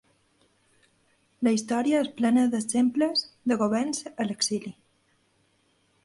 La història és plena d’exemples de governs a l’exili.